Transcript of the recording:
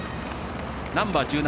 ナンバー１７